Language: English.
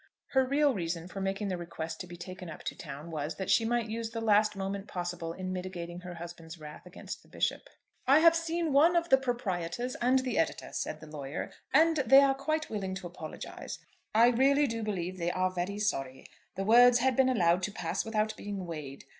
Her real reason for making the request to be taken up to town was, that she might use the last moment possible in mitigating her husband's wrath against the Bishop. "I have seen one of the proprietors and the editor," said the lawyer, "and they are quite willing to apologise. I really do believe they are very sorry. The words had been allowed to pass without being weighed.